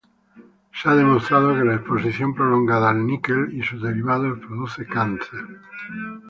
Se ha demostrado que la exposición prolongada al níquel y sus derivados produce cáncer.